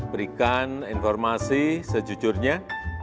berikan informasi sejujurnya